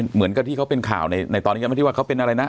เหมือนกับที่เขาเป็นข่าวในตอนนี้ก็ไม่ได้ว่าเขาเป็นอะไรนะ